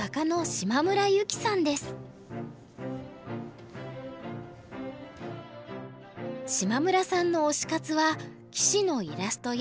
島村さんの推し活は棋士のイラストや漫画を描くこと。